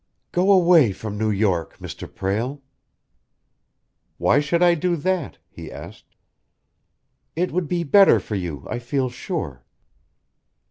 "Go away from New York, Mr. Prale!" "Why should I do that?" he asked. "It would be better for you, I feel sure."